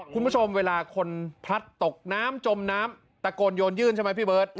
คุณผู้ชมเวลาคนพลัดตกน้ำจมน้ำตะโกนโยนยื่นใช่ไหมพี่เบิร์ต